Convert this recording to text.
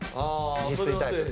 自炊タイプです。